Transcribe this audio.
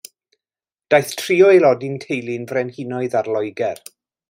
Daeth tri o aelodau'r teulu'n frenhinoedd ar Loegr.